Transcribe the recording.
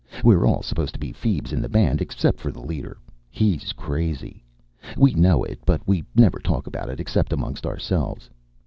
We're all supposed to be feebs in the band except the leader. He's crazy. We know it, but we never talk about it except amongst ourselves.